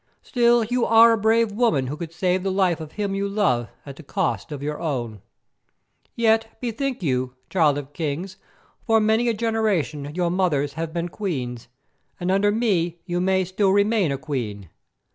Still, you are a brave woman who could save the life of him you love at the cost of your own. Yet, bethink you, Child of Kings, for many a generation your mothers have been queens, and under me you may still remain a queen.